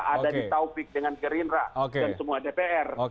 ada di taufik dengan gerindra dan semua dpr